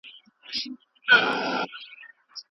سپما کول د راتلونکو ستونزو مخه نیسي.